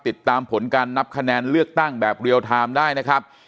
ติดตามผลการนับคะแนนเลือกตั้งแบบเรียลไทม์ได้นะครับ